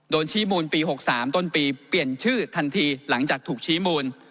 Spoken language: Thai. ชี้มูลปี๖๓ต้นปีเปลี่ยนชื่อทันทีหลังจากถูกชี้มูล